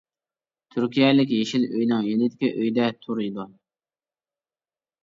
تۈركىيەلىك يېشىل ئۆينىڭ يېنىدىكى ئۆيدە تۇرىدۇ.